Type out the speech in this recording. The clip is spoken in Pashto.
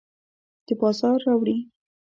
د بازار راوړي